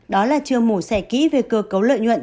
đó là chưa mổ xẻ kỹ về cơ cấu lợi nhuận